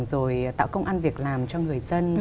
rồi tạo công an việc làm cho người dân